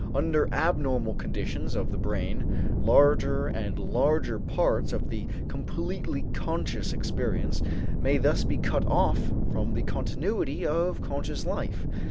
Under abnormal conditions of the brain, larger and larger parts of the completely conscious experience may thus be cut off from the continuity of conscious life.